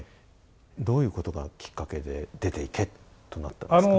どういうことがきっかけで出て行けとなったんですか？